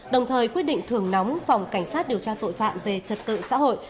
đồng thời quyết định thưởng nóng phòng cảnh sát điều tra tội phạm về trật tự xã hội